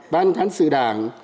ban thán sự đảng